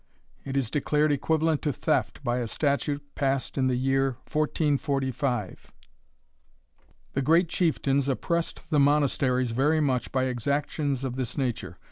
It is declared equivalent to theft, by a statute passed in the year 1445. The great chieftains oppressed the monasteries very much by exactions of this nature.